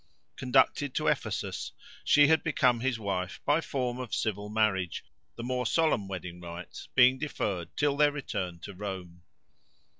Conducted to Ephesus, she had become his wife by form of civil marriage, the more solemn wedding rites being deferred till their return to Rome.